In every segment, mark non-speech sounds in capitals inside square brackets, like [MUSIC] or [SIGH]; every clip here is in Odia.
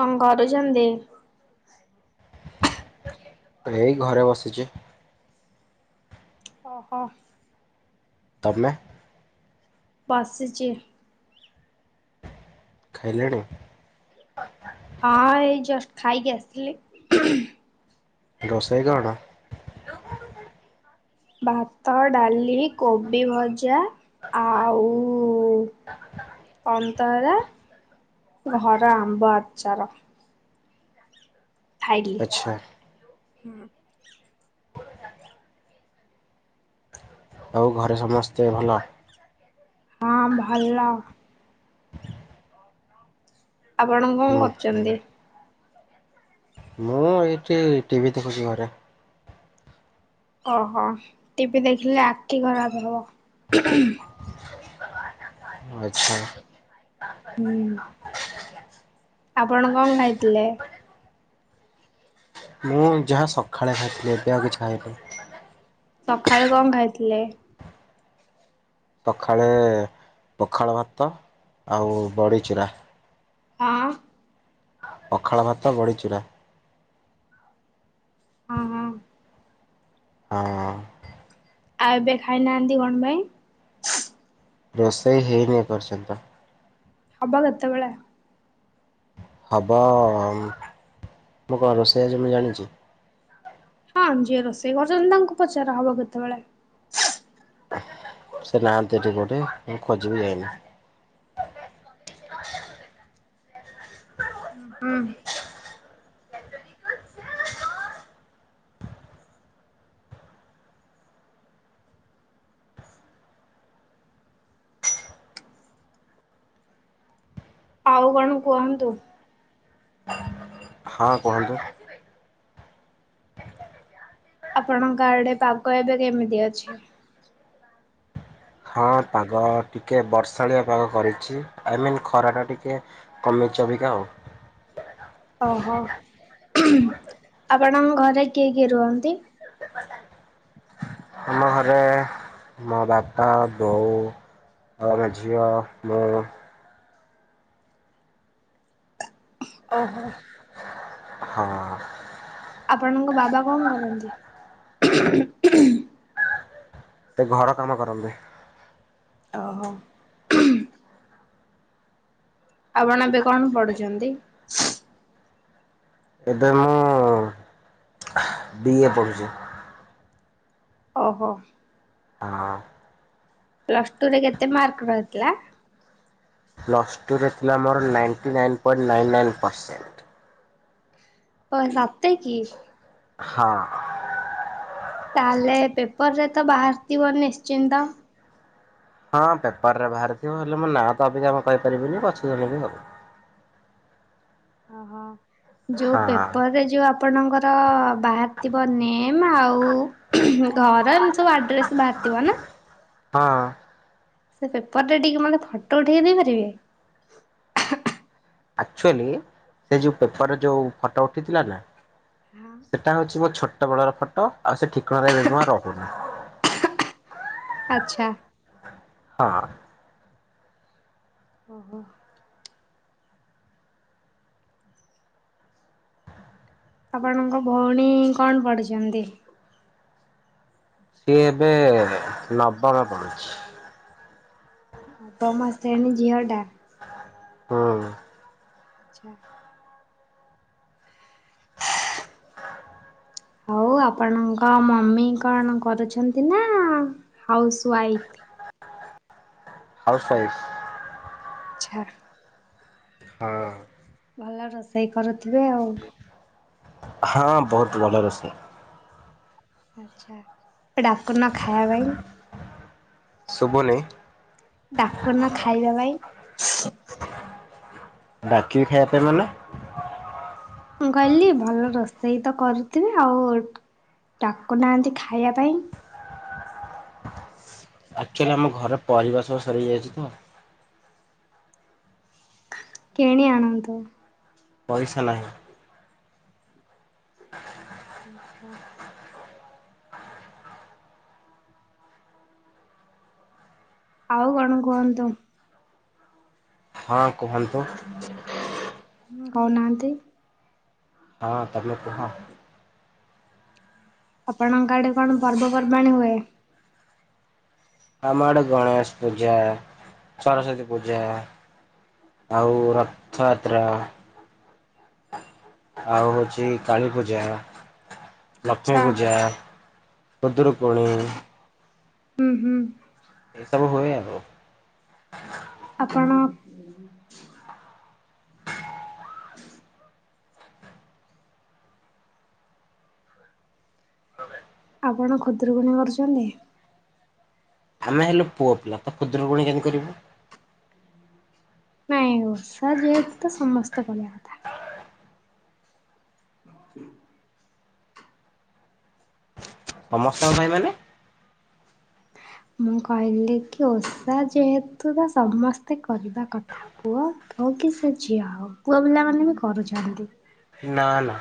କଣ କରୁଚନ୍ତି? ଏଇ ଘରେ ବସିଚି। ଓହୋ। ତମେ। ବସିଚି। ଖାଇଲେଣି? ହଁ ଏଇ ଜଷ୍ଟ ଖାଇକି ଆସିଥିଲି। ରୋସେଇ କଣ? ଭାତ, ଡାଲି, କୋବି ଭଜା। ଆଉ କନ। ତରା ଘର ଆମ୍ବ ଆଚାର। ଖାଇଲି। ଆଚ୍ଛା। ହୁଁ। ଆଉ ଘରେ ସମସ୍ତେ ଭଲ। ହଁ ଭଲ। ଆପଣ କଣ ହୁଁ ହୁଁ କରୁଛନ୍ତି। ମୁଁ ଏଇଠି ଟିଭି ଦେଖୁଛି ଘରେ। ଓହୋ ଟିଭି ଦେଖିଲେ ଆଖି ଖରାପ ହବ। ଆଚ୍ଛା। ହୁଁ ଆପଣ କଣ ଖାଇଥିଲେ? ମୁଁ ଯାହା ସକାଳେ ଖାଇଥିଲି ଏବେ ଆଉ କିଛି ଖାଇନି। ସଖାଳୁ କଣ ଖାଇଥିଲେ? ସଖାଳେ ପଖାଳ ଭାତ ଆଉ ବଡ଼ିଚୁରା। ହଁ। ପଖାଳ ଭାତ ବଢ଼ିଚୂୁରା। ହଁ ହଁ ହଁ। ଆଉ ଏବେ ଖାଇନାହାନ୍ତି କଣ ପାଇଁ? ରୋଷେଇ ହେଇନି ଏପର୍ଯୟନ୍ତ। ହବ କେତେବେଳେ? ହବ, ମୁଁ କଣ ରୋଷେଇଆ ଯେ ମୁଁ ଜାଣିଛି। ହଁ ଯିଏ ରୋଷେଇ କରୁଚନ୍ତି ତାଙ୍କୁ ପଚାର ହବ କେତେବେଳେ? ସେ ନାହାନ୍ତି ଏଠି କୋଉଠେ ମୁଁ ଖୋଜିିବି ଯାଇନି [INAUDIBLE] [INAUDIBLE] ହୁଁ। ଆଉ କଣ କୁହନ୍ତୁ? ହଁ କୁହନ୍ତୁ? ଆପଣଙ୍କ ଆଡ଼େ ପାଗ ଏବେ କେମିତି ଅଛି? ହଁ ପାଗ ଟିକେ ବର୍ଷାଳିଆ ପାଗ କରୁଛି। ଆଇମନ୍ ଖରା ଟା ଟିକେ କମି ଚି ଅବିକା ଆଉ। ଓହୋ। ଆପଣଙ୍କ ଘରେ କିଏ କିଏ ରୁହନ୍ତି? ଆମ ଘରେ ମୋ ବାପା, ବୋଉ ଆଉ ଆମ ଝିଅ, ମୁଁ ଓହୋ। ହଁ। ଆପଣଙ୍କ ବାବା କଣ କରନ୍ତି? ତ ଘର କାମ କରନ୍ତି। ଓହୋ। ଆପଣ ଏବେ କଣ ପଢୁଚନ୍ତି? ଏବେ ମୁଁ ବି ଏ ପଢ଼ୁଚି। ଓହୋ। ହଁ। ପ୍ଲସଟୁରେ କେତେ ମାର୍କ ରହିଥିଲା? ପ୍ଲସ୍ ଟୁରେ ଥିଲା ମୋର ninety nine point nine nine percent. ହଁ ସତେ କି? ହଁ। ତାହେଲେ ପେପର ରେ ତ ବାହାରିଥିବ ନିଶ୍ଚିନ୍ତ। ହଁ ପେପର ରେ ବାହାରିଥିବ। ହେଲେ ମୋ ନାଁ ତ ଅବିକା ଆ ମୁଁ କହିପାରିବିନି ପଛଗଲେ ବି ହବ। ଓହୋ ଯୋଉ ହଁ ପେପରରେ ଯୋଉ ଆ ଆପଣଙ୍କର ବାହାରି ଥିବ ନେମ ଆଉ ଘର ଏମିତି ସବୁ ଆଡ୍ରେସ୍ ବାହାର ଥିବ ନା। ହଁ। ସେ ପେପରଟା ଟିକେ ମତେ ଫଟୋ ଉଠେଇ ଦେଇ ପାରିବେ? ଆକ୍ଚୁଆଲି ସେ ଯୋଉ ପେପର ଯୋଉ ଫଟୋ ଉଠିଥିଲା ନା ସେଟା ହୋଉଚି ମୋ ଛୋଟ ବେଳର ଫଟୋ ଆଉ ସେ ଠିକଣାରେ ବି ମୁଁ ଆଉ ରୋହୁନି। ଆଛା। ହଁ। ଓହୋ। ଆପଣଙ୍କ ଭଉଣୀ କଣ ପଢ଼ୀଛନ୍ତି। ସିଏ ଏବେ ନବମ ପଢୁଛି। ନବମ ଶ୍ରେଣୀ ଝିଅ ଟା। ହୁଁ। ଆଛା। ଆଉ ଆପଣଙ୍କ ମମି କଣ କରୁଛନ୍ତି ନା ହାଉସ ୱାଇଫ। ହଁ [UNINTELLIGIBLE] ହାଉସୱାଇଫ୍। ଆଛା। ହଁ। ଭଲ ରୋଷେଇ କରୁଥିବେ ଆଉ। ହଁ ବହୁତ ଭଲ ରୋଷେଇ। ଆଛା ଡାକୁନା ଖାଇବା ପାଇଁ ସୁବୁ ନେଇଁ ଡାକୁନା ଖାଇବା ପାଇଁ ଡାକିବି ଖାଇବା ପାଇଁ ମାନେ ମୁଁ କହିଲି ଭଲ ରୋଷେଇ ତ କରୁଥିବେ ଆଉ ଡାକୁ ନାହାନ୍ତି ଖାଇବା ପାଇଁ। ଆଚୁଆଲି ଆମ ଘରେ ପରିବା ସବୁ ସରିଯାଇଛି ତ। କିଣି ଆଣନ୍ତୁ। ପଇସା ନାହିଁ। ହଁ। ଆଉ କଣ କୁହନ୍ତୁ? ହଁ କୁହନ୍ତୁ। ହଁ କଉନାହାନ୍ତି। ହଁ ତମେ କୁହ। ଆପଣଙ୍କ ଆଡେ କଣ ପର୍ବପର୍ବାଣୀ ହୁଏ? ଆମ ଆଡେ ଗଣେଶ ପୂଜା ସରସ୍ଵତୀ ପୂଜା। ଆଉ ରଥୟାତ୍ରା। ଆଉ ଅଛି କାଳୀ ପୂଜା। ଲକ୍ଷ୍ମୀ ଆଚ୍ଛା। ପୂଜା ଖୁଦୁରୁକୁଣୀ ହୁଁ ହୁଁ। ଏସବୁ ହୁଏ ଆଉ। ଆପଣ ଆପଣ ଖୁଦୁରୁକୁଣୀ କରୁଛନ୍ତି। ଆମେ ହେଲୁ ପୁଅ ପିଲା ତ ଖୁଦୁରୁକୁଣୀ କେମିତି କରିବୁ? ନାଇଁ ଓଷା ଯେହେତୁ ତ ସମସ୍ତେ କରିବା କଥା। ହ ହ [INAUDIBLE] ସମସ୍ତଙ୍କ ପାଇଁ ମାନେ ମୁଁ କହିଲି କି ଓଷା ଯେହେତୁ ତ ସମସ୍ତେ କରିବା କଥା [UNINTELLIGIBLE] କୁଅ ତୋ କି ସେ ଝିଅ ଆଉ ପୁଅ ପିଲାମାନେ ବି କରୁଛନ୍ତି। ନା ନା।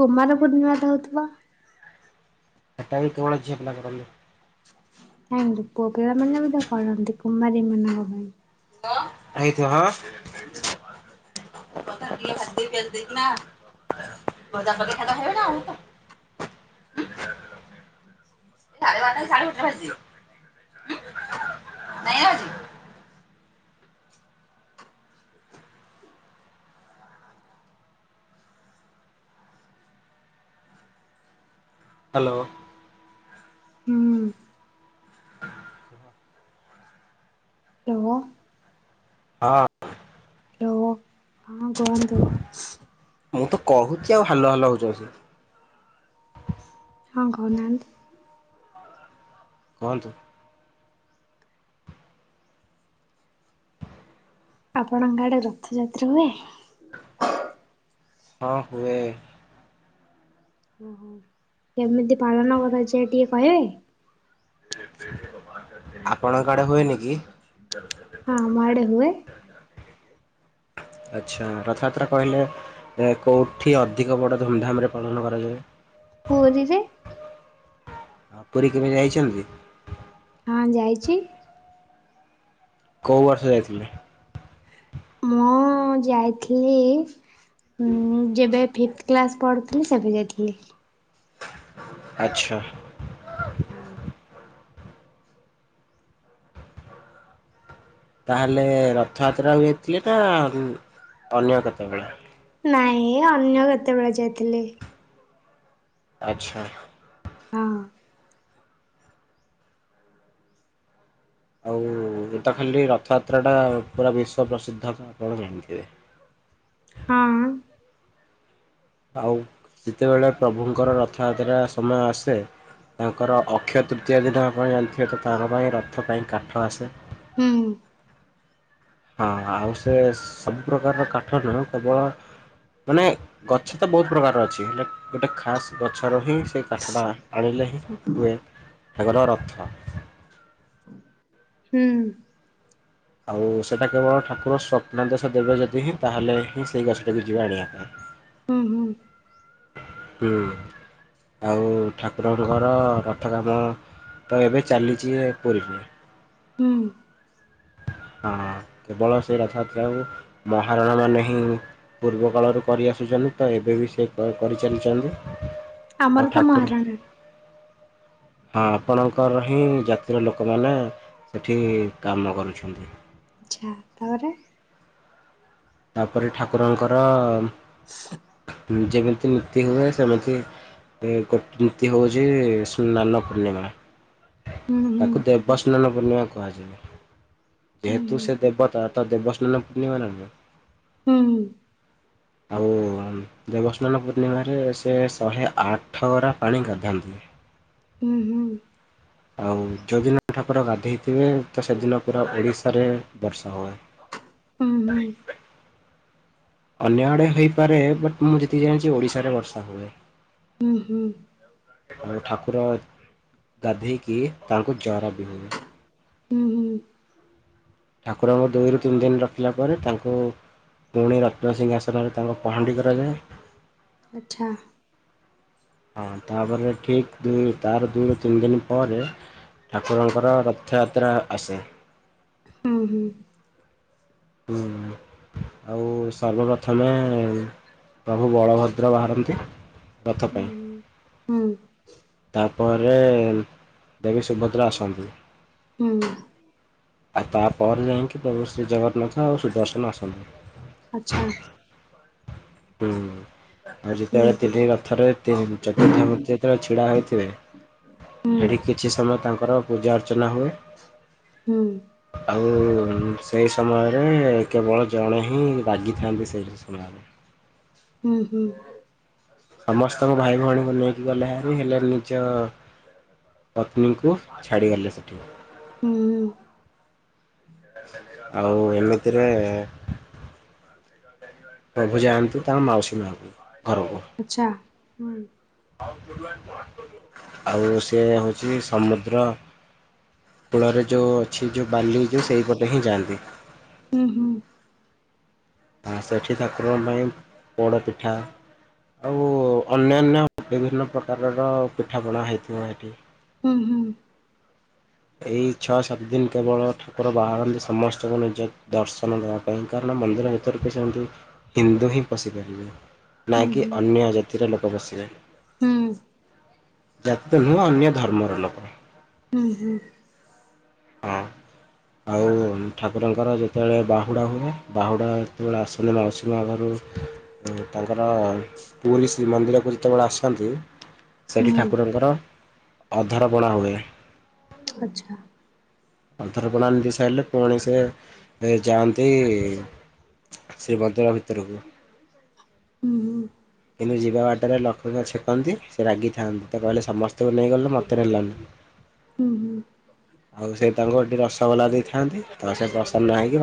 କୁମାର ପୂର୍ଣ୍ଣିମା ଟା ହଉଥିବ ସେଟା ବି କେବଳ ଝିଅପିଲା କରନ୍ତି। କାଇଁ ପୁଅ ପିଲାମାନେ ବି ତ କରନ୍ତି କୁମାରୀ ମାନଙ୍କ ପାଇଁ ଏଇଥିବ ହଁ ‌। [UNINTELLIGIBLE] [UNINTELLIGIBLE] ନାଇଁ ଆଜି। ହ୍ୟାଲୋ। ହୁଁ ହ [INAUDIBLE] ହ୍ୟାଲୋ। ହଁ। ହ୍ୟାଲୋ। ହଁ କୁହନ୍ତୁ। ମୁଁ ତ କହୁଛି ଆଉ ହାଲୋ ହାଲୋ ହଉଛ ବସିକି। ହଁ କହୁ ନାହାନ୍ତି। କୁହନ୍ତୁ। ଆପଣଙ୍କ ଆଡେ ରଥଯାତ୍ରା ହୁଏ? ହଁ ହୁଏ। ଓହୋ କେମିତି ପାଳନ କଥା ଯେ ଟିକେ କହିବେ। ଆପଣଙ୍କ ଆଡେ ହୁଏନି କି? ହଁ ମାେ ହୁଏ [INAUDIBLE] ଆଚ୍ଛା ରଥଯାତ୍ରା କହିଲେ କୋଉଁଠି ଅଧିକ ବଡ଼ ଧୁମଧାମରେ ପାଳନ କରାଯାଏ। ପରିରେ ହଁ ପୁରୀ କେମିତି ଯାଇଛନ୍ତି। କଁ ଯାଇଛି। କୋଉ ବର୍ଷ ଯାଇଥିଲେ? ହଁ ଯାଇଥିଲି। ହଁ ଯେବେ ଫିଥ କ୍ଲାସ ପଢୁଥିଲି ସେବେ ଯାଇଥିଲି। ଆଚ୍ଛା। ହଁ। ତାହେଲେ ରଥଯାତ୍ରା ଯାଇଥିଲେ ନା ଅନ୍ୟ କେତେବେଳେ ନାଇଁ ଅନ୍ୟ କେତେବେଳେ ଯାଇଥିଲି। ଆଚ୍ଛା। ହଁ ଆଉ ଗଟା ଖାଲି ରଥଯାତ୍ରା ଟା ପୁରା ବିଶ୍ଵ ପ୍ରସିଦ୍ଧ ଆପଣ ଜାଣିଥିବେ। ହ ହଁ। ଆଉ ଯେତେବେଳେ ପ୍ରଭୁଙ୍କର ରଥଯାତ୍ରା ସମୟ ଆସେ ତାଙ୍କର ଅକ୍ଷୟ ତୃତୀୟା ଦିନ ଆପଣ ଜାଣିଥିବେ ତ ତାଙ୍କ ପାଇଁ ରଥ ପାଇଁ କାଠ ଆସେ। ହୁଁ। ହଁ ଆଉ ସେ ସବୁ ପ୍ରକାରର କାଠ ନୁହ କେବଳ ମାନେ ଗଛ ତ ବୋହୁତ ପ୍ରକାର ଅଛି, ହେ ଗୋଟେ ଖାସ୍ ଗଛ ରହି ସେ କାଠ ଟା ଆଣି ହୁଏ ରଥ। ହୁଁ। ଆଉ ସେଇଟା କେବଳ ଠାକୁର ସ୍ୱପ୍ନାଦେଶ ଦେବେ ଯଦି ହିଁ ତାହେଲେ ହିଁ ସେଇ ଗଛଟାକୁ ଯିବେ ଆଣିବା ପାଇଁ। ଉଁ ହୁଁ। ହୁଁ ଆଉ ଠାକୁରଙ୍କର ରଥ କାମ ତ ଏବେ ଚାଲିଛି ପୁରୀରେ। ହୁଁ। ହଁ କେବଳ ସେ ରଥଯାତ୍ରାକୁ ମହାରଣା ମାନ ହିଁ ପୂର୍ବ କାଳରୁ କରିଆସୁଛନ୍ତି ତ ଏବେ ବି ସେ କରି ଚାଲିଛନ୍ତି। ଆଉ ଆମର ତ ଠାକୁର ମହାରଣା। ହଁ ଆପଣଙ୍କର ହିଁ ଜାତି ଲୋକମାନେ ସେଠି କାମ କରୁ ଆଚ୍ଛା ତାପରେ? ତାପରେ ଠାକୁରଙ୍କର ଯେମିତି ନୀତି ହୁଏ ସେମିତି ଦେ ଗୋ ନୀତି ହୋଉ ଯେ ସ୍ନାନ ପୂର୍ଣ୍ଣିମା ହୁଁ ତାକୁ ଦେବସ୍ନାନ ପୂର୍ଣ୍ଣିମା କୁହାଯାଏ, ହୁଁ ଯେହେତୁ ସେ ଦେବତା ତ ଦେବସ୍ନାନ ପୂର୍ଣ୍ଣିମା ନା ନୁହଁ? ହୁଁ। ଆଉ ଆଉ ଦେବସ୍ନାନ ପୂର୍ଣ୍ଣିମାରେ ସେ ଶହେ ଆଠଗରା ପାଣି ଗାଧାନ୍ତି। ହୁଁ ହୁଁ। ଆଉ ଯଦିନ ଠାକୁର ଗାଧେଇଥିବେ ତ ସେଦିନ ପୁରା ଓଡ଼ିଶାରେ ବର୍ଷା ହୁଏ। ହୁଁ ହୁଁ। ଅନ୍ୟ ଆଡେ ହେଇପାରେ ବଟ ମୁଁ ଯେତିକି ଜାଣିଚି ଓଡ଼ିଶାରେ ବର୍ଷା ହୁଏ। ଉଁ ହୁଁ। ଆଉ ଠାକୁର ଗାଧେଇକି ତାଙ୍କୁ ଜର ବି ହୁଏ। ଉଁ ହୁଁ। ଠାକୁରଙ୍କୁ ଦୁଇରୁ ତିନି ଦିନ ରଖିଲା ପରେ ତାଙ୍କୁ ପୁଣି ରତ୍ନ ସିଂହାସନରେ ତାଙ୍କ ପହାଣ୍ଡି କରାଯାଏ। ଆଚ୍ଛା। ହଁ ତାପରେ ଠିକ୍ ତାର ଦୁଇରୁ ତିନି ଦିନ ପରେ ଠାକୁରଙ୍କର ରଥଯାତ୍ରା ଆସେ। ଉଁ ହୁଁ। ହୁଁ। ଆଉ ସର୍ବପ୍ରଥମେ ପ୍ରଭୁ ବଳଭଦ୍ର ବାହାରନ୍ତି। ରଥ ହୁଁ ହୁଁ ପାଇଁ। ତାପରେ ଦେବୀ ସୁଭଦ୍ରା ଆସନ୍ତି। ହୁଁ। ଆଉ ତାପରେ ଯାଇକି ପ୍ରଭୁ ଶ୍ରୀ ଜଗନ୍ନାଥ ଆଉ ସୁଦର୍ଶନ ଆସନ୍ତି। ଆଚ୍ଛା। ହୁଁ। ଆଉ ହୁଁ ଯେତେବେଳେ ହୁଁ ତିନି ରଥରେ ତି ଚତୁର୍ଦ୍ଧାମୂର୍ତ୍ତି ଯେତେବେଳେ ଛିଡାହେଇଥିବେ ହେଠି କିଛି ସମୟ ତାଙ୍କର ପୂଜା ଅର୍ଚ୍ଚନା ହୁଏ। ହୁଁ। [UNINTELLIGIBLE] ସେଇ ସମୟରେ କେବଳ ଜଣେ ହିଁ ରାଗିଥାନ୍ତି ସେଇ ସମୟରେ। ଉଁ ହୁଁ। ସମସ୍ତଙ୍କୁ ଭାଇ ଭଉଣୀଙ୍କୁ ନେଇକି ଗଲେ ହାରି ହେଲେ ନିଜ ପତ୍ନୀଙ୍କୁ ଛାଡ଼ି ଗଲେ ସେଠି। ହୁଁ ହୁଁ ଆଉ ଏମିତିରେ ପ୍ରଭୁ ଯାଆନ୍ତି ତାଙ୍କ ମାଉସୀ ମାଙ୍କ ଘରକୁ। ଆଚ୍ଛା ହୁଁ। ଆଉ ସେ ହଉଛି ସମୁଦ୍ର କୂଳରେ ଯୋଉ ଅଛି ଯୋଉ ବାଲି ଯୋଉ ସେଇପଟେ ହିଁ ଯାଆନ୍ତି। ହୁଁ ହୁଁ। ଆ ସେଠି ଠାକୁରଙ୍କ ପାଇଁ ପୋଡ଼ପିଠା ଆଉ ଅନ୍ୟାନ୍ୟ ବିଭିନ୍ନ ପ୍ରକାରର ପିଠାପଣା ହେଇଥିବ ହେଠି। ଉଁ ହୁଁ। ଏଇ ଛଅ ସାତ ଦିନ କେବଳ ଠାକୁର ବାହାରନ୍ତି ସମସ୍ତଙ୍କୁ ନିଜ ଦର୍ଶନ ଦେବା ପାଇଁ। କାରଣ ମନ୍ଦିର ଭିତରକୁ ସେମତି ହିନ୍ଦୁ ହିଁ ପଶିପାରିବେ। ହୁଁ ହୁଁ ନାକି ହୁଁ ଅନ୍ୟ ଜାତିର ଲୋକ ପସିବେ। ହୁଁ ଜାତି ତ ନୁହଁ ଅନ୍ୟ ଧର୍ମର ଲୋକ। ହୁଁ ହୁଁ। ହଁ। ଆଉ ଠାକୁରଙ୍କର ଯେତେବେଳେ ବାହୁଡ଼ା ହୁଏ, ବାହୁଡ଼ା ଯେତେବେଳେ ଆସନ୍ତି ମାଉସୀ ମା ଘରୁ ତାଙ୍କର ପୁରୀ ଶ୍ରୀ ମନ୍ଦିରକୁ ଯେତେବେଳେ ଆସନ୍ତି ହୁଁ ହୁଁ ସେଠି ହୁଁ ଠାକୁରଙ୍କର ଅଧର ପଣା ହୁଏ। ଆଚ୍ଛା। ଅଧରପଣା ନେଇସାରିଲେ ପୁଣି ସେ ଯାଆନ୍ତି [UNINTELLIGIBLE] ଭିତରକୁ। ଉଁ ହୁଁ। କିନ୍ତୁ ଯିବା ବାଟରେ ଲକ୍ଷ୍ମୀ ମା ଛେକନ୍ତି। ସେ ରାଗିଥାନ୍ତି ତ କହିଲେ ସମସ୍ତଙ୍କୁ ନେଇଗଲେ ମୋତେ ନେଲନି। ଉଁ ହୁଁ। ଆଉ ସେ ତାଙ୍କୁ ଏଠି ରସଗୋଲା ଦେଇଥାନ୍ତି। ତ ସେ ପ୍ରସନ୍ନ ହେଇକି